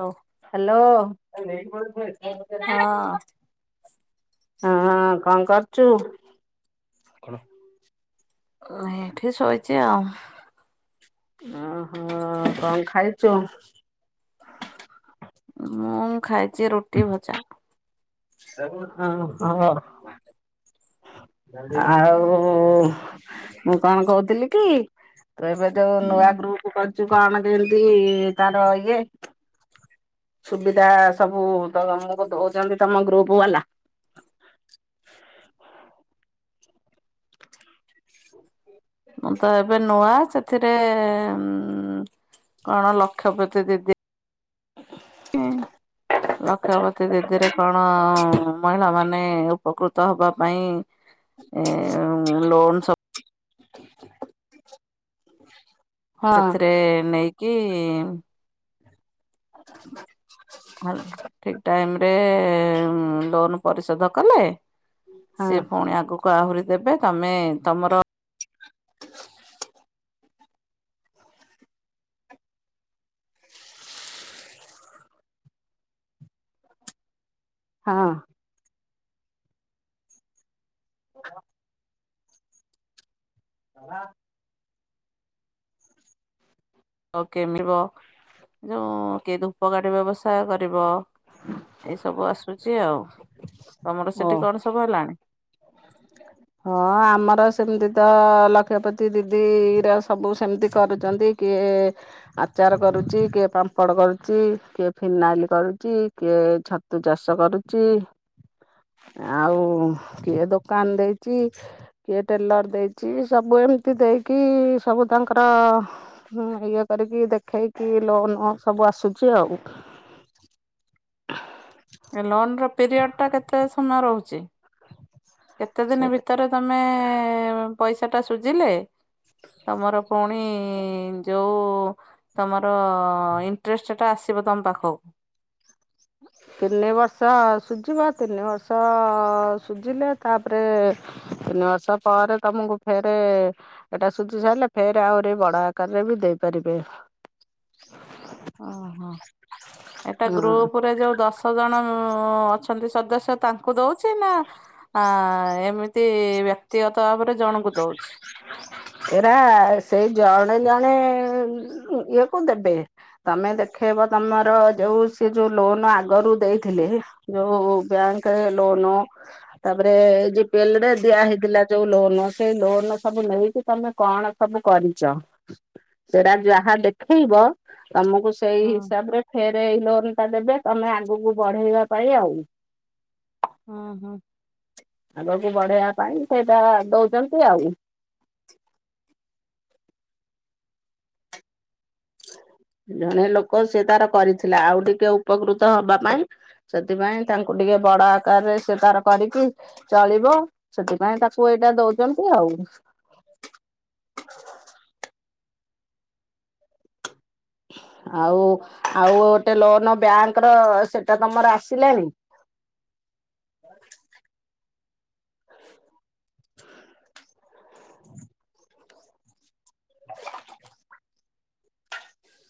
ହଉ ହ୍ୟାଲୋ ହଁ ହ ହଁ କଣ କରୁଛୁ ଏଇଠି ଶୋଇଛି ଆଉ ଓହୋ କଣ ଖାଇଛୁ ମୁଁ ଖାଇଛି ରୁଟି ଭଜା। ହଁ ହ ଆଉ ମୁଁ କଣ କହୁଥିଲି କି ତୁ ଏବେ ଯୋଉ ନୂଆ ଗ୍ରୁପ କରିଛୁ କଣ କେମିତି ତାର ଇଏ ସୁବିଧା ସବୁ ତମକୁ ଦଉଛନ୍ତି ତମ ଗ୍ରୁପ ବାଲା। ମୁଁ ତ ଏବେ ନୂଆ ସେଥିରେ ଉ କଣ ଲକ୍ଷପତି ଦିଦି ଲକ୍ଷପତୀ ଦିଦିରେ କଣ ମହିଳା ମାନ ଉପକୃତ ହବା ପାଇଁ ଏ ଲୋନ୍ ସବୁ ହଁ ସେଥିରେ ନେଇକି ହଉ ଠିକ୍ ଟାଇମରେ ଲୋନ୍ ପରିଶୋଧ କଲେ। ହଁ ସେ ପୁଣି ଆଗକୁ ଆହୁରି ଦେବେ ତମେ ତମର। ହଁ। ଆଉ କେମିବ ଯୋଉ କେ ଧୂପକାଠି ବ୍ୟବସାୟ କରିବ। ଏସବୁ ଆସୁଚି ଆଉ ତମର ଓ ସେଠି କଣ ସବୁ ହେଲାଣି? ହଁ ଆମର ସେମିତି ତ ଲକ୍ଷପତି ଦିଦି ର ସବୁ ସେମତି କରୁଚନ୍ତି। କିଏ। ଆଚାର କରୁଚି କିଏ ପାମ୍ପଡ଼ କରୁଚି କିଏ ଫିନାଇଲ୍ କରୁଚି କିଏ ଛ ତୁ ଚାଷ କରୁଚି ଆଉ କିଏ ଦୋକାନ୍ ଦେଇ ଚି କିଏ ଟେଲର୍ ଦେଇଚି ସବୁ ଏମତି ଦେଇକି ସବୁ ତାଙ୍କର। ହୁଁ ଇଏ କରିକି ଦେଖେଇକି ଲୋନ୍ ସବୁ ଆସୁଛି ଆଉ। ଏ ଲୋନ୍ ର ପିରିଅଡ଼ଟା କେତେ ସମୟ ରହୁଚି? [inaudible] କେତେ ଦିନି ସେଇଟା ଭିତରେ ତମେ ପଇସାଟା ସୁଜିଲେ। ତମର ପୁଣି ଯୋଉ। ତମର ଇଣ୍ଟରେଷ୍ଟଟା ଆସିବ ତମ୍ ପାଖକୁ। [inaudible] ତିନି ବର୍ଷ ସୁଜିବ ତିନି ବର୍ଷ ସୁଜିଲେ ତାପରେ। ତିନି ବର୍ଷ ପରେ ତମୁକୁ ଫେରେ। ଏଟା ସୁଜି ସାରିଲେ ଫେରେ ଆହୁରି ବଡ ଆକାରରେ ବି ଦେଇପାରିବେ। ଓହୋ। ଏଟା ହୁଁ ଗ୍ରୁପୁରେ ଯୋଉ ଦଶ ଜଣ ଅଛନ୍ତି ସଦସ୍ୟ ତାଙ୍କୁ ଦଉଛି। କି ନା ଆ ଏମିତି ବ୍ୟକ୍ତିଗତ ଭାବରେ ଜଣଙ୍କୁ ଦଉଛି। ଏରା ସେଇ ଜଣେ ଜଣେ ଇଏ କୁ ଦେବେ। ତମେ ଦେଖେଇବ ତମର ଯଉ ସେ ଯୋଉ ଲୋନ୍ ଆଗରୁ। ଦେଇଥିଲେ ହେଲା ଯୋଉ ବ୍ୟାଙ୍କ୍। କେ ଲୋନୋ ତାପରେ ଜିପିଏଲରେ ଦିଆ ହେଇଥିଲା ଯୋଉ ଲୋନୋ। ସେଇ ଲୋନ୍ ସବୁ ନେଇକି ତମେ କଣ ସବୁ କରିଛ। ସେଟା ଯାହା ଦେଖେଇବ ତମୁକୁ ସେଇ ହୁଁ ହିସାବରେ ଫେରେ ଏଇ ଲୋନ୍ଟା ଦେବେ ତମେ ଆଗୁକୁ ବଢେଇବା ପାଇଁ ଆଉ। ହଁ ହଁ। ଆଗକୁ ବଢେଇବା ପାଇଁ ସେଇଟା ଦଉଚନ୍ତି ଆଉ। ଜଣେ ଲୋକ ସେ ତାର କରିଥିଲା ଆଉ ଟିକେ ଉପକୃତ ହବା ପାଇଁ। ସେଥିପାଇଁ ତାଙ୍କୁ ଟିକେ ବଡ ଆକାରରେ ସେ ତାର କରିକି। ଚଳିବ ସେଥିପାଇଁ ତାକୁ ଏଇଟା ଦଉଚନ୍ତି ଆଉ। ଆଉ ଆଉ ଗୋଟେ ଲୋନୋ ବ୍ୟାଙ୍କର ସେଟା ତମର ଆସିଲାଣି? [inaudible] [inaudible]